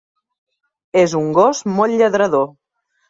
És un gos molt lladrador.